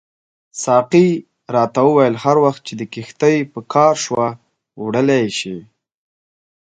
ساقي راته وویل هر وخت چې دې کښتۍ په کار شوه وړلای یې شې.